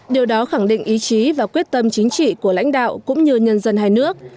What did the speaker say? điều đó khẳng định ý chí và quyết tâm chính trị của lãnh đạo cũng như nhân dân hai nước